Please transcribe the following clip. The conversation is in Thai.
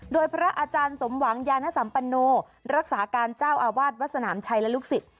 โดยพระอาจารย์สมหวังยานสัมปโนรักษาการเจ้าอาวาสวัดสนามชัยและลูกศิษย